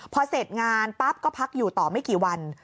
พอเสร็จงานปั๊บก็พักอยู่ต่อไม่กี่วัน